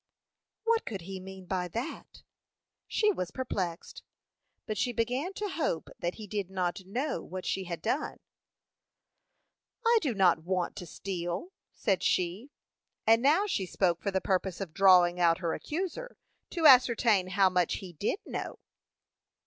What could he mean by that? She was perplexed, but she began to hope that he did not know what she had done. "I do not want to steal," said she; and now she spoke for the purpose of drawing out her accuser, to ascertain how much he did know.